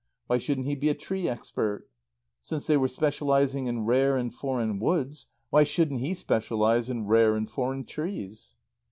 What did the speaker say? Why shouldn't he be a tree expert? Since they were specializing in rare and foreign woods, why shouldn't he specialize in rare and foreign trees?